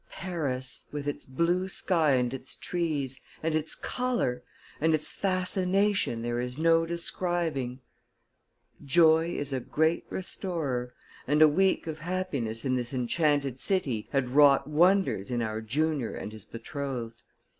Paris, with its blue sky and its trees, and its color and its fascination there is no describing! Joy is a great restorer, and a week of happiness in this enchanted city had wrought wonders in our junior and his betrothed.